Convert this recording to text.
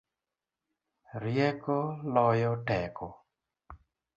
Rieko loyo teko